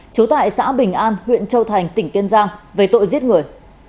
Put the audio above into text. trú tại xã bình an huyện châu thành tỉnh kiên giang về tội giết người